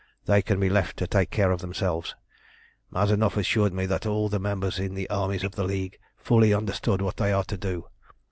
They can be left to take care of themselves. Mazanoff assured me that all the members in the armies of the League fully understood what they are to do.